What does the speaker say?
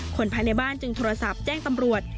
คนภายในบ้านจึงโทรศัพท์แจ้งตำรวจ